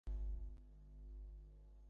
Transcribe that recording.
শরৎকে বল যে, আমি বেশী খাটছি না আর।